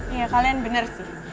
iya kalian bener sih